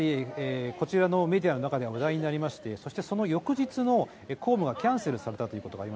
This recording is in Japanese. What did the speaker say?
それが、かなりこちらのメディアの中で話題になりまして、その翌日の公務がキャンセルされました。